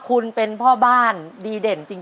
คุณเป็นพ่อบ้านดีเด่นจริง